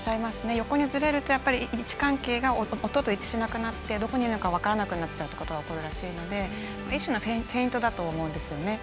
横にずれると位置関係が音と一致しなくなってどこにいるのか分からなくなることが起こるらしいので一種のフェイントだと思います。